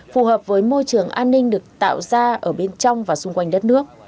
phù hợp với môi trường an ninh được tạo ra ở bên trong và xung quanh đất nước